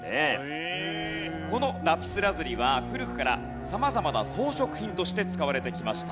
このラピスラズリは古くから様々な装飾品として使われてきました。